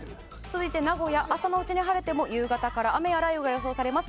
名古屋は朝のうち晴れても夕方から雨や雷雨が予想されます。